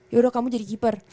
yaudah kamu jadi keeper